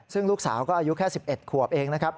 ซึ่งลูกสาวก็อายุแค่๑๑ขวบเองนะครับ